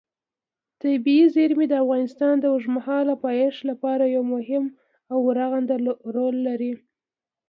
طبیعي زیرمې د افغانستان د اوږدمهاله پایښت لپاره یو مهم او رغنده رول لري.